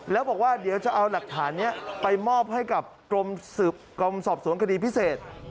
แล้วบอกว่าเดี๋ยวจะเอาหลักฐานนี้ไปมอบให้กับกรมสืบกรมสอบสวนคดีพิเศษ